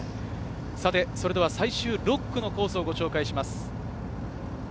最終６区のコースをご紹介します。